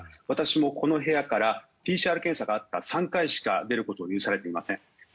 私もこの部屋からＰＣＲ検査があった３回しか出ることを許されていません。